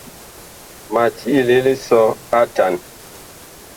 Ma tiile lisɔ a atan.